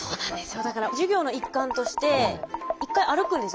だから授業の一環として一回歩くんですよ